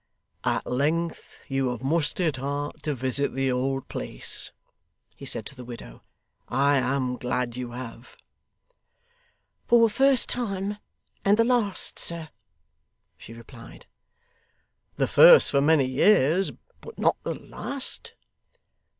'At length you have mustered heart to visit the old place,' he said to the widow. 'I am glad you have.' 'For the first time, and the last, sir,' she replied. 'The first for many years, but not the last?